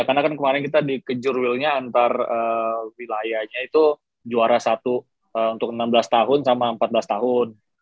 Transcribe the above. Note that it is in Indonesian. karena kan kemarin kita dikejur willnya antar wilayahnya itu juara satu untuk enam belas tahun sama empat belas tahun